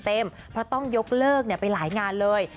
เพราะต้องยกเลิกไปหลายงานเลย